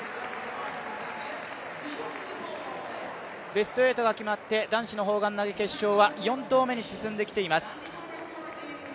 ベスト８が決まって男子の砲丸投決勝は４投目に進んできています。